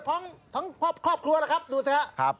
พร้อมทั้งครอบครัวละครับดูสิฮะ